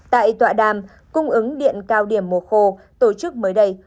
tại tọa đàm cung ứng điện cao điểm mùa khô tổ chức mới đây